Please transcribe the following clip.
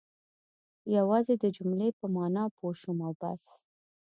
یوازې د جملې په معنا پوه شوم او بس.